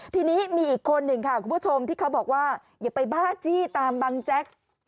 ทีนี้มีอีกคนหนึ่งค่ะคุณผู้ชมที่เขาบอกว่าอย่าไปบ้าจี้ตามบังแจ๊ก